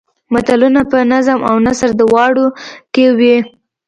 متلونه په نظم او نثر دواړو کې وي